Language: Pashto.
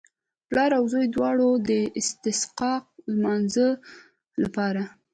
پلار او زوی دواړو د استسقا لمانځه لپاره.